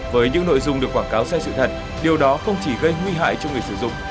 với những nội dung được quảng cáo sai sự thật điều đó không chỉ gây nguy hại cho người sử dụng